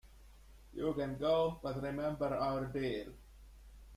You can go, but remember our deal.